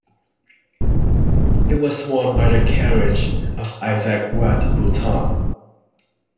It was won by the carriage of Isaac Watt Boulton.